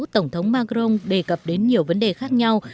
tổng thống macron đề cập đến nhiều vấn đề khác nhau